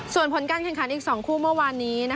ส่วนผลการแข่งขันอีก๒คู่เมื่อวานนี้